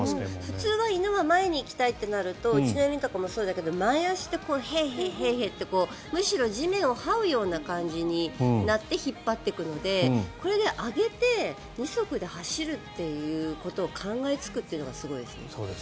普通は犬は前に行こうとするとうちの犬とかもそうだけど前足で、ヘエヘエってむしろ地面をはうような形になって引っ張っていくのでこれで上げて二足で走るということを考えつくのがすごいですね。